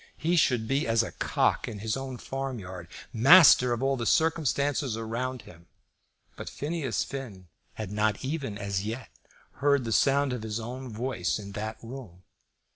He should be as a cock in his own farmyard, master of all the circumstances around him. But Phineas Finn had not even as yet heard the sound of his own voice in that room.